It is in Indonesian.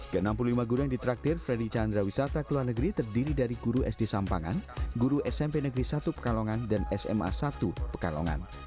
ke enam puluh lima guru yang ditraktir freddy chandra wisata ke luar negeri terdiri dari guru sd sampangan guru smp negeri satu pekalongan dan sma satu pekalongan